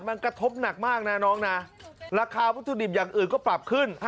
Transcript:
มันกระทบหนักมากนะน้องนะราคาวัตถุดิบอย่างอื่นก็ปรับขึ้น